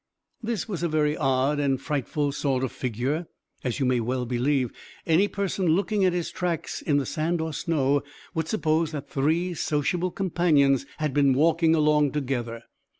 This was a very odd and frightful sort of figure, as you may well believe. Any person, looking at his tracks in the sand or snow, would suppose that three sociable companions had been walking along together.